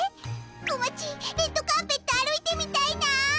こまちレッドカーペット歩いてみたいな。